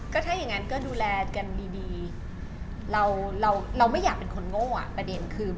ถ้าอย่างนั้นก็ดูแลกันดีเราเราไม่อยากเป็นคนโง่อ่ะประเด็นคือ